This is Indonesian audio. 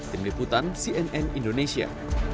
tim liputan cnn indonesia